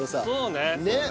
そうね。